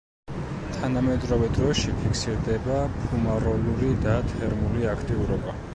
თანამედროვე დროში ფიქსირდება ფუმაროლური და თერმული აქტიურობა.